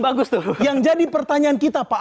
bagus tuh yang jadi pertanyaan kita pak